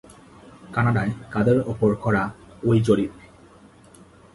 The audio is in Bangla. কানাডায় কাদের ওপর করা ওই জরিপ?